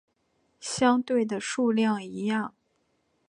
相对的数量一样。